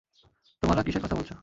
তোমারা কীসের কথা বলছ?